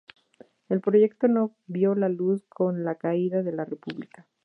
El proyecto no vio la luz con la caída de la República.